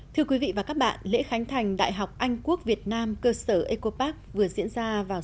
thưa quý vị và các bạn lễ khánh thành đại học anh quốc việt nam cơ sở eco park vừa diễn ra vào